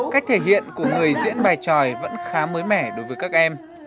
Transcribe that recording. cách thể hiện của người diễn bài tròi vẫn khá mới mẻ đối với các em